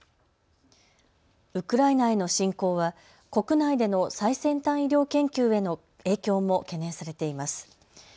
ウクライナへの侵攻は国内での最先端医療研究への影響も懸念されています。